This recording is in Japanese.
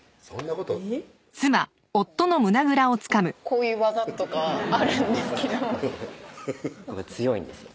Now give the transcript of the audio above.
こうこういう技とかあるんですけど強いんですよ